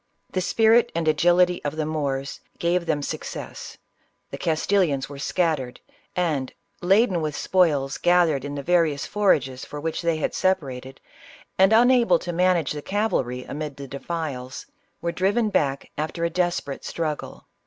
The spirit and agility of the Moors gave them success ; the Castilians were scattered, and laden with spoils gathered in the various forages for which they had separated, and, unable to manage the cavalry amid the defiles, were driven back after a desperate struggle.